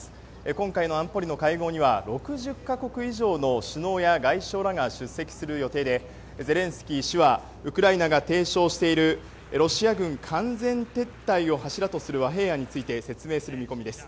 今回の安保理の会合には６０か国以上の首脳や外相らが出席する予定でゼレンスキー氏はウクライナが提唱しているロシア軍完全撤退を柱とする和平案について説明する見込みです。